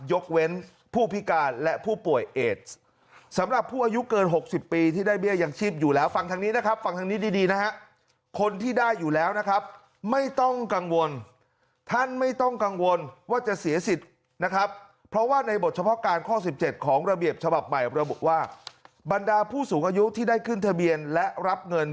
ยกเว้นผู้พิการและผู้ป่วยเอสสำหรับผู้อายุเกิน๖๐ปีที่ได้เบี้ยยังชีพอยู่แล้วฟังทางนี้นะครับฟังทางนี้ดีนะฮะคนที่ได้อยู่แล้วนะครับไม่ต้องกังวลท่านไม่ต้องกังวลว่าจะเสียสิทธิ์นะครับเพราะว่าในบทเฉพาะการข้อ๑๗ของระเบียบฉบับใหม่ระบุว่าบรรดาผู้สูงอายุที่ได้ขึ้นทะเบียนและรับเงิน